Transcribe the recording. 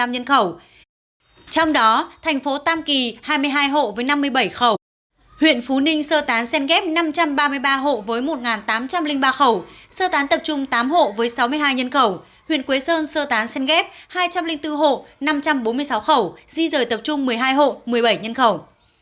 trong đó thành phố tam kỳ hai mươi hai hộ với năm mươi bảy khẩu huyện phú ninh sơ tán sen ghép năm trăm ba mươi ba hộ với một tám trăm linh ba khẩu sơ tán tập trung tám hộ với sáu mươi hai nhân khẩu huyện quế sơn sơ tán sen ghép hai trăm linh bốn hộ năm trăm bốn mươi sáu khẩu di rời tập trung một mươi hai hộ một mươi bảy nhân khẩu